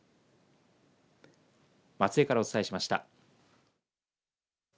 松江からお伝えしました。